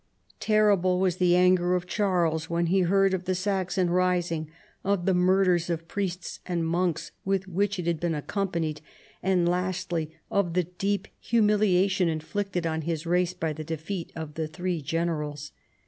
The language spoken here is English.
Terrible was the anger of Charles when he heard of the Saxon rising, of the murders of priests and monks with which it had been accompanied, and lastly of the deep humiliation inflicted on his race by the defeat of the three generals.